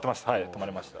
止まりました。